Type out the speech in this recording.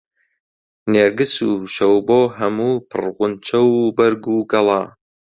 نێرگس و شەوبۆ هەموو پڕ غونچە و بەرگ و گەڵا